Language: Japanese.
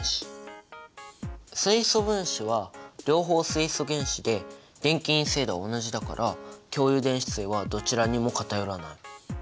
水素分子は両方水素原子で電気陰性度は同じだから共有電子対はどちらにも偏らない。